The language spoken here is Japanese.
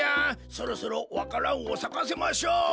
そろそろわか蘭をさかせましょう。